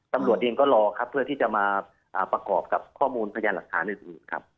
ตำรวจเองก็รอครับเพื่อที่จะมาประกอบกับข้อมูลพยานหลักฐานอื่นครับ